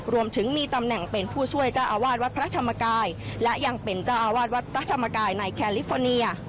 รวมถึงมีตำแหน่งเป็นผู้ช่วยเจ้าอาวาสวัดพระธรรมกายและยังเป็นเจ้าอาวาสวัดพระธรรมกายในแคลิฟอร์เนีย